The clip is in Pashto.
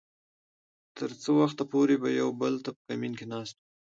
تر څه وخته پورې به يو بل ته په کمين کې ناست وو .